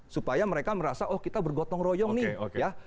supaya mereka merasa oh kita bergotong royong nih ya